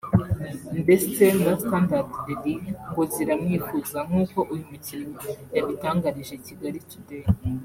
ndetse na Standard de Liege ngo ziramwifuza nk’uko uyu mukinnyi yabitangarije Kigali Today